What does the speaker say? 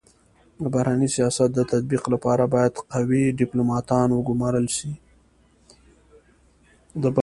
د بهرني سیاست د تطبیق لپاره بايد قوي ډيپلوماتان و ګمارل سي.